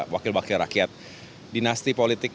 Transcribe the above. wakil wakil rakyat dinasti politik